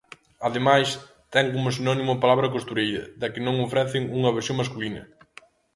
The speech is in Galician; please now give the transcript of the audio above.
Ademais, ten como sinónimo a palabra costureira, da que non ofrecen unha versión masculina.